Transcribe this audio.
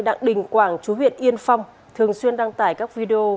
đặng đình quảng chú huyện yên phong thường xuyên đăng tải các video